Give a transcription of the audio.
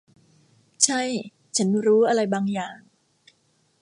ใช่ ฉันรู้อะไรบางอย่าง